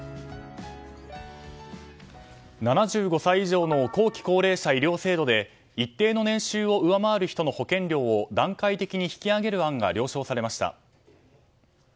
７５歳以上の後期高齢者医療制度で一定の年収を上回る人の保険料を段階的に引き上げる案が了承されました。